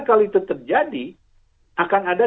kalau itu terjadi akan ada